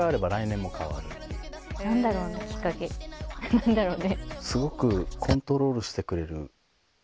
何だろうね。